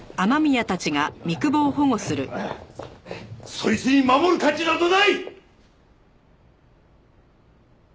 そいつに守る価値などない！